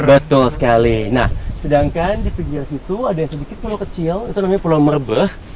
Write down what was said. betul sekali nah sedangkan di pinggir situ ada yang sedikit pulau kecil itu namanya pulau merbe